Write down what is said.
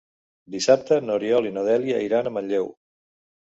Dissabte n'Oriol i na Dèlia iran a Manlleu.